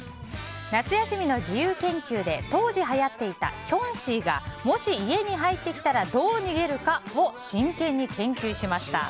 夏休みの自由研究で当時はやっていたキョンシーがもし家に入ってきたらどう逃げるかを真剣に研究しました。